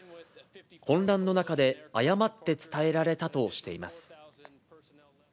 混乱の中で誤って伝えられたとしています。